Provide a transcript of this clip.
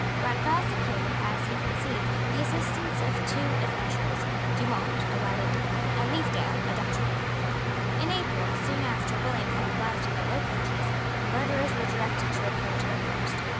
Grandval secured, as he conceived, the assistance of two adventurers, Dumont, a Walloon, and Leefdale, a Dutchman. In April, soon after William had arrived in the Low Countries, the murderers were directed to repair to their post.